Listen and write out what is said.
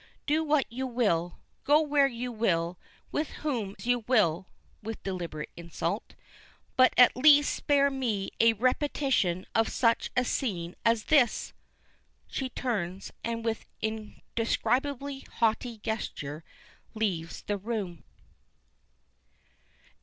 Do what you will go where you will with whom you will" (with deliberate insult), "but at least spare me a repetition of such a scene as this." She turns, and with an indescribably haughty gesture leaves the room.